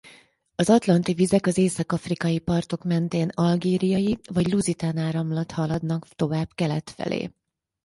Az atlanti vizek az észak-afrikai partok mentén Algériai- vagy Luzitán-áramlat haladnak tovább kelet felé.